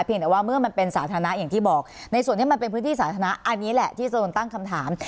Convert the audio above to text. แต่ว่าเมื่อมันเป็นสาธารณะอย่างที่บอกในส่วนนี้มันเป็นพื้นที่สาธารณะอันนี้แหละที่โซนตั้งคำถาม